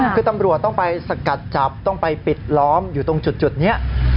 คือตำรวจต้องไปสกัดจับต้องไปปิดล้อมอยู่ตรงจุดนี้